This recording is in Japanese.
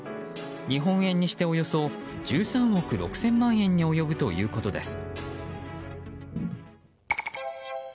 日本円にしておよそ１３億６０００万円に及ぶということです。